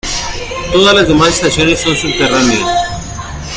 Todas las demás estaciones son subterráneas.